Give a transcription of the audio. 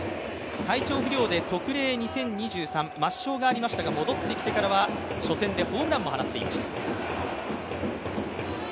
体調不良で特例２０２３抹消がありましたが、戻ってきてからは初戦でホームランもありました。